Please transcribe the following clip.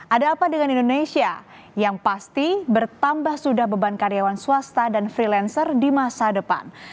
ada apa dengan indonesia yang pasti bertambah sudah beban karyawan swasta dan freelancer di masa depan